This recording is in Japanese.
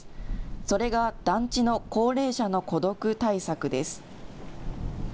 それが団地の高齢者の孤独対策です。